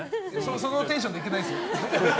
そのテンションで行けないんですよ。